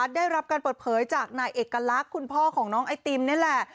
ได้รับการเปิดเผยจากนายเอกลักษณ์คุณพ่อของน้องไอติมนี่แหละ